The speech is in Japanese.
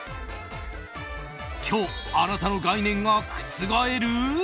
今日、あなたの概念が覆る？